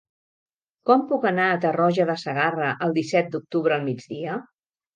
Com puc anar a Tarroja de Segarra el disset d'octubre al migdia?